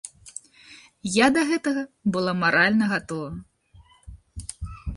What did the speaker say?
Я да гэтага была маральна гатова.